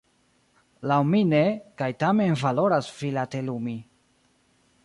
Laŭ mi ne, kaj tamen valoras filatelumi.